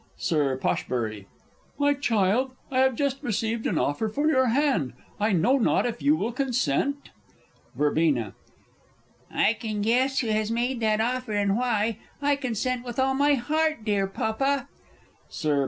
_ Sir P. My child, I have just received an offer for your hand. I know not if you will consent? Verb. I can guess who has made that offer, and why. I consent with all my heart, dear Papa. _Sir P.